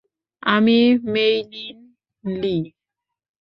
আমি Meilin Li.